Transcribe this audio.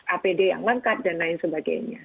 apd yang lengkap dan lain sebagainya